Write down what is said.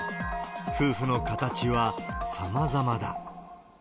夫婦の形はさまざまだ。